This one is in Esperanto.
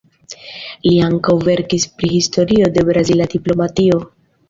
Li ankaŭ verkis pri historio de brazila diplomatio.